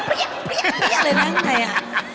เปรี้ยกเลยนั่งใจอ่ะ